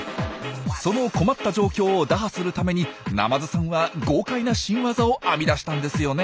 その困った状況を打破するためにナマズさんは豪快な新ワザを編み出したんですよね。